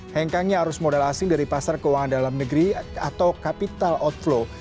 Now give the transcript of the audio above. hengkangnya arus modal asing dari pasar keuangan dalam negeri atau capital outflow